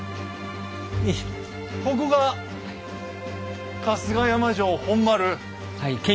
ここが春日山城本丸。